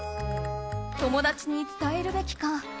友達に伝えるべきか。